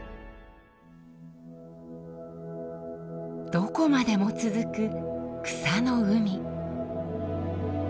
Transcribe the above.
どこまでも続く草の海。